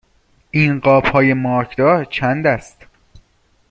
این قاب های مارکدار چند است؟